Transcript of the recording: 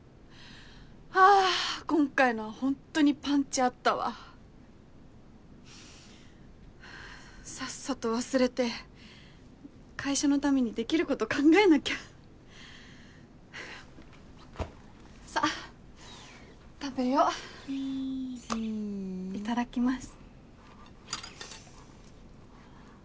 あ今回のはホントにパンチあったわさっさと忘れて会社のためにできること考えなきゃさっ食べよいただきます